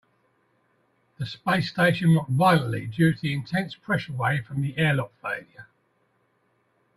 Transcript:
The space station rocked violently due to the intense pressure wave from the airlock failure.